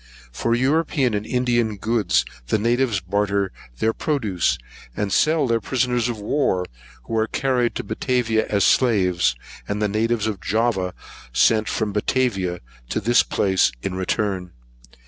For European and India goods the natives barter their produce, and sell their prisoners of war, who are carried to Batavia as slaves, and the natives of Java sent from Batavia to this place in return.